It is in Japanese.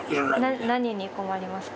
何に困りますか？